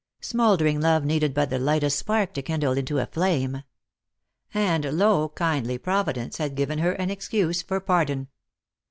Smouldering love needed but the lightest spark to kindle into a flame; and, lo, kindly Providence had given her an excuse for pardon.